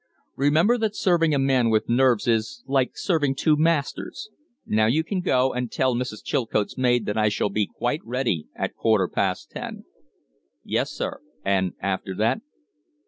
Remember that serving a man with nerves is like serving two masters. Now you can go; and tell Mrs. Chilcote's maid that I shall be quite ready at a quarter past ten." "Yes, sir. And after that?"